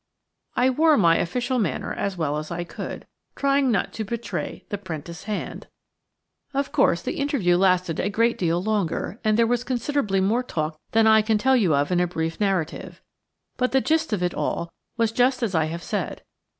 I wore my official manner as well as I could, trying not to betray the 'prentice hand. Of course, the interview lasted a great deal longer, and there was considerably more talk than I can tell you of in a brief narrative. But the gist of it all was just as I have said.